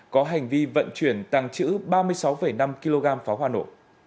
có hành vi vận chuyển tăng chữ ba mươi sáu năm kg pháo hoa nổ